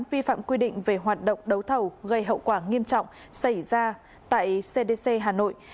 vi phạm quy định về hoạt động đấu thầu gây hậu quả nghiêm trọng xảy ra tại cdc hà nội